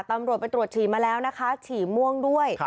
ตำรวจไปตรวจฉี่มาแล้วนะคะฉี่ม่วงด้วย